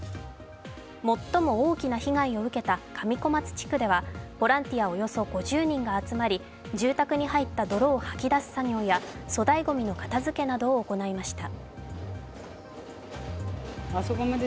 最も大きな被害を受けた上小松地区ではボランティアおよそ５０人が集まり住宅に入った泥を掃き出す作業や粗大ごみの片づけを行いました。